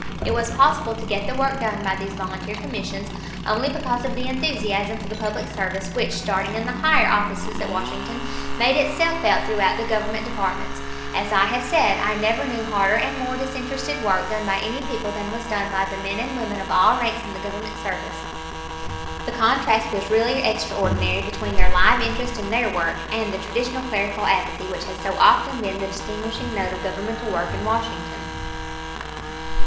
It was possible to get the work done by these volunteer commissions only because of the enthusiasm for the public service which, starting in the higher offices at Washington, made itself felt throughout the Government departments as I have said, I never knew harder and more disinterested work done by any people than was done by the men and women of all ranks in the Government service. The contrast was really extraordinary between their live interest in their work and the traditional clerical apathy which has so often been the distinguishing note of governmental work in Washington.